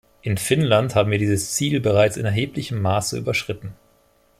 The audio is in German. In Finnland haben wir dieses Ziel bereits in erheblichem Maße überschritten.